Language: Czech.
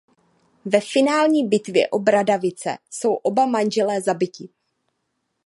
Ve finální bitvě o Bradavice jsou oba manželé zabiti.